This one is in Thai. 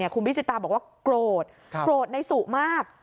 คุณพิจิตาบอกว่าโกรธโกรธในสุมาก